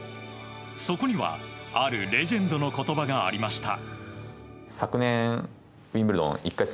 そこにはあるレジェンドの言葉がありました。